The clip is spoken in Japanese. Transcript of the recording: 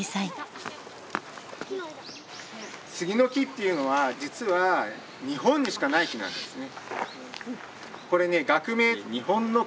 杉の木っていうのは実は日本にしかない木なんですね。